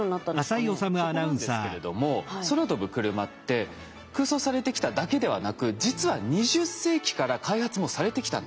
そこなんですけれども空飛ぶクルマって空想されてきただけではなく実は２０世紀から開発もされてきたんです。